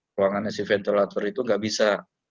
ruangannya si ventilator itu nggak bisa